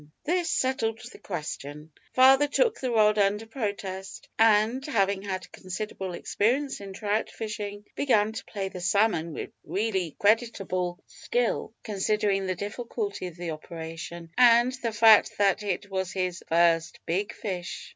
This settled the question. Father took the rod under protest, and, having had considerable experience in trout fishing, began to play the salmon with really creditable skill, considering the difficulty of the operation, and the fact that it was his first "big fish."